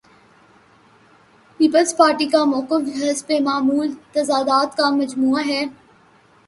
Peoples Party کا موقف حسب معمول تضادات کا مجموعہ ہے۔